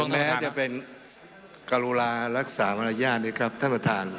แม้จะเป็นกรุณารักษามารยาทด้วยครับท่านประธาน